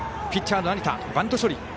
ピッチャーの成田、バント処理。